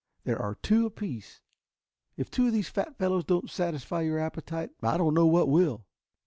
There are two apiece. If two of these fat fellows don't satisfy your appetite I don't know what will."